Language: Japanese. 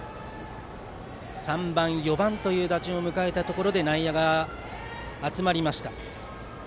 ３番、４番という打順を迎えたところで内野が集まりました。